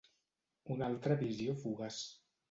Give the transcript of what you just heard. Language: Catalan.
Una altra visió fugaç.